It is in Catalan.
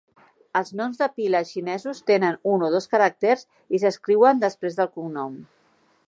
Els noms de pila xinesos tenen un o dos caràcters i s'escriuen després del cognom.